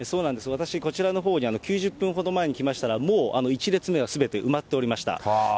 私、こちらのほうに９０分ほど前に来たら、もう１列目はすべて埋まっておりました。